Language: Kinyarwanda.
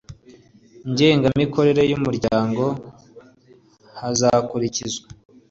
ngengamikorere y umuryango hazakurikizwa